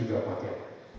dan juga paket